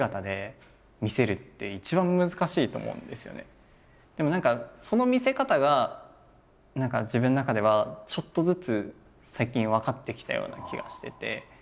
だけどでも何かその見せ方が自分の中ではちょっとずつ最近分かってきたような気がしてて。